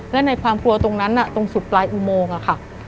และในความกลัวตรงนั้นตรงสุดปลายอุโมงค่ะ